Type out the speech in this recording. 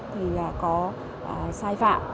thì có sai phạm